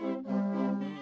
pertama suara dari biasusu